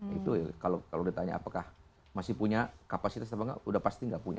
itu kalau ditanya apakah masih punya kapasitas atau enggak udah pasti nggak punya